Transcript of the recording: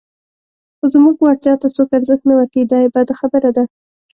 خو زموږ وړتیا ته څوک ارزښت نه ورکوي، دا یې بده خبره ده.